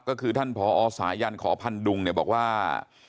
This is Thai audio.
ก็คือท่านพอสายันขพันธ์ดุงบอกว่า